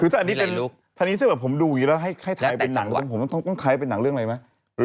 ว่าถ้านี้จะแบบผมดูอย่างนี้แล้วให้ถ่ายเป็นหนักผมจะคงถ่ายเป็นหนังเรื่องอะไรไหมน่าแต่จังวะ